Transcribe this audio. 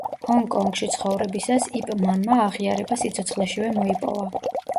ჰონგ-კონგში ცხოვრებისას იპ მანმა აღიარება სიცოცხლეშივე მოიპოვა.